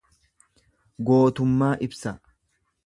Gootummaa ibsa.